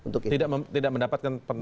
tidak mendapatkan pendapat